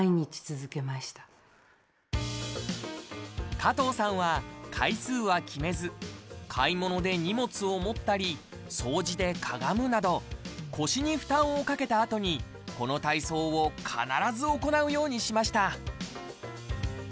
加藤さんは、回数は決めず買い物で荷物を持ったり掃除でかがむなど腰に負担をかけたあとにこの体操を必ず行うようにしました。